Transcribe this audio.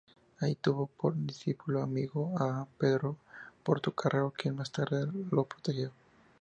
Allí tuvo por condiscípulo y amigo a Pedro Portocarrero, quien más tarde le protegió.